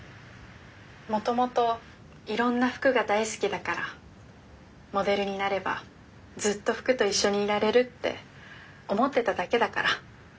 もともといろんな服が大好きだからモデルになればずっと服と一緒にいられるって思ってただけだから。